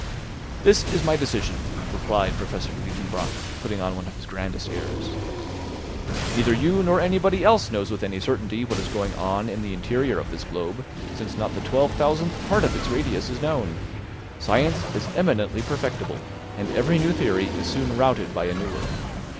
"This is my decision," replied Professor Liedenbrock, putting on one of his grandest airs. "Neither you nor anybody else knows with any certainty what is going on in the interior of this globe, since not the twelve thousandth part of its radius is known; science is eminently perfectible; and every new theory is soon routed by a newer.